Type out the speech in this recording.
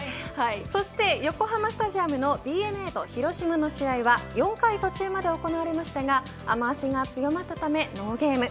横浜スタジアムのＤｅＮＡと広島の試合は４回途中まで行われましたが雨脚が強まってノーゲーム。